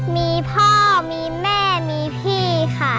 มีพ่อมีแม่มีพี่ค่ะ